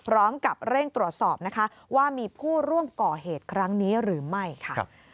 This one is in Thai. พร้อมกับเร่งตรวจสอบนะคะว่ามีผู้ร่วมก่อเหตุครั้งนี้หรือไม่ค่ะ